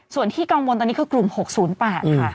ส่วนที่กังวลตอนนี้คือกลุ่ม๖๐๘ค่ะ